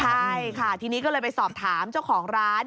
ใช่ค่ะทีนี้ก็เลยไปสอบถามเจ้าของร้าน